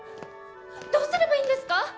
どうすればいいんですか？